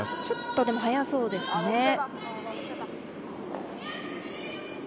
ちょっとでも速そうですかね。